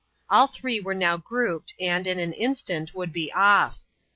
All three were now grouped, and, in an instant, would be off.